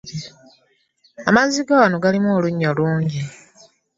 Amazzi gawano galimu olunyo lungi.